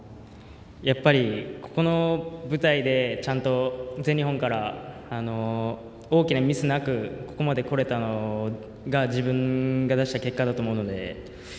やっぱりここの舞台でちゃんと全日本から大きなミスなくここまでこれたのが自分が出した結果だと思うので。